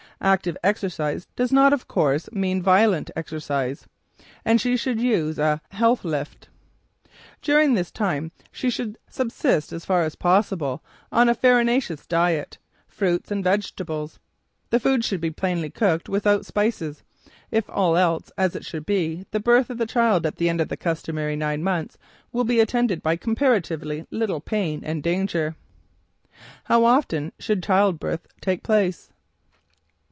Active exercise does not, of course, mean violent exercise. And she should use a "Health Lift." During this time she should subsist as far as possible on a farinaceous diet, fruits and vegetables. The foods should be plainly cooked, without spices. If all else is as it should be, the birth of the child at the end of the customary nine months will be attended by comparatively little pain and danger. HOW OFTEN SHOULD CHILDBIRTH TAKE PLACE?